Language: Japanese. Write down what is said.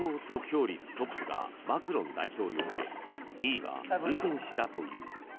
得票率トップがマクロン大統領で２位がルペン氏だという。